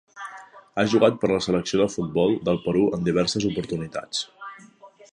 Ha jugat per la selecció de futbol del Perú en diverses oportunitats.